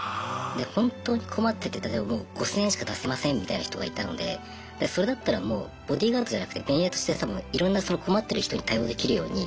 本当に困ってて例えば５，０００円しか出せませんみたいな人がいたのでそれだったらもうボディーガードじゃなくて便利屋としていろんなその困ってる人に対応できるように。